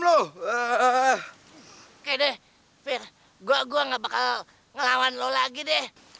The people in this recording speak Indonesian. oke deh fir gue gak bakal ngelawan lo lagi deh